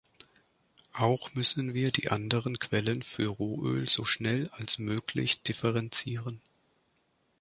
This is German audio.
Auch müssen wir die anderen Quellen für Rohöl so schnell als möglich differenzieren.